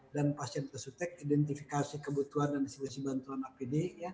dan pasien pesutek identifikasi kebutuhan dan istilasi bantuan apd